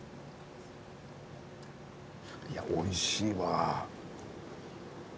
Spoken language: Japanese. いやおいしいわ。